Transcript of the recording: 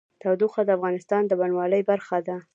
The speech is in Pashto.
تودوخه د افغانستان د بڼوالۍ برخه ده.